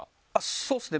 そうですね